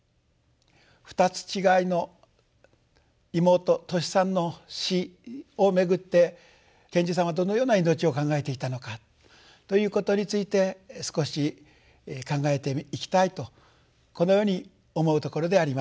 ２つ違いの妹トシさんの死をめぐって賢治さんはどのような命を考えていたのかということについて少し考えていきたいとこのように思うところであります。